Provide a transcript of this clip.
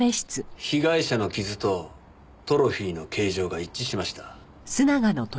被害者の傷とトロフィーの形状が一致しました。